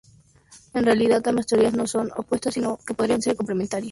En realidad, ambas teorías no son opuestas sino que podrían ser complementarias.